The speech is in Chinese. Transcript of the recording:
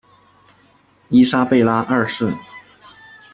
伊莎贝拉二世。